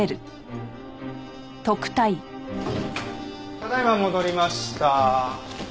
ただ今戻りました。